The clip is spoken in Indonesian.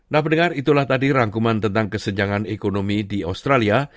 nah pendengar itulah tadi rangkuman tentang kesenjangan ekonomi di australia